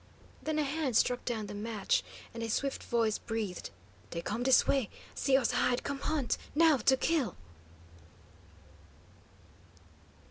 Then a hand struck down the match, and a swift voice breathed: "Dey come dis way. See us hide come hunt, now, to kill!"